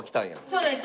そうです。